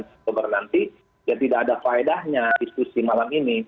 oktober nanti ya tidak ada faedahnya diskusi malam ini